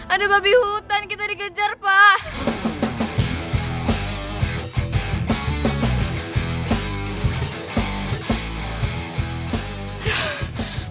ada babi hutan kita dikejar pak